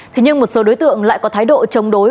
thế nhưng một số đối tượng lại có thái độ chống đối